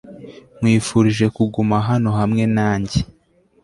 Nkwifurije kuguma hano hamwe nanjye